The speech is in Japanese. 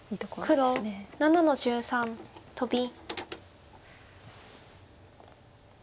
黒７の十三トビ。